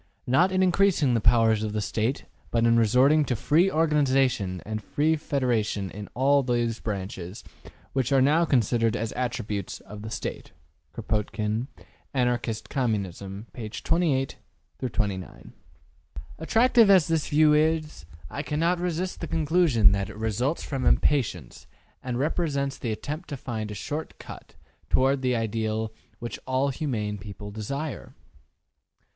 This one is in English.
Not in increasing the powers of the State, but in resorting to free organization and free federation in all those branches which are now considered as attributes of the State.'' Kropotkin, ``Anarchist Communism,'' pp. 28 29. Attractive as this view is, I cannot resist the conclusion that it results from impatience and represents the attempt to find a short cut toward the ideal which all humane people desire.